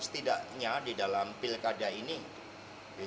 setidaknya di dalam pilkada ini seperti pak ganjar